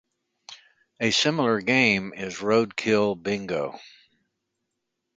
A similar game is roadkill bingo.